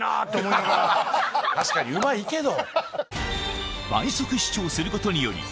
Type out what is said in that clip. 確かにうまいけど。